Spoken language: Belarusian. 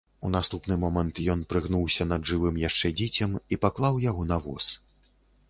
У наступны момант ён прыгнуўся над жывым яшчэ дзіцем і паклаў яго на воз.